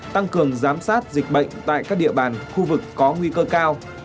tăng cường giám sát dịch bệnh tại các địa bàn khu vực có nguy cơ cao